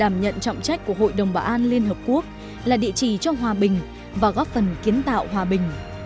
trong lãnh đạo tổ chức ngoại giao thân giải pháp của hội đồng bảo an liên hợp quốc là địa chỉ cho hòa bình và góp phần kiến tạo hòa bình